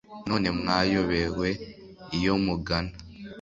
none mwayobewe iyo mugana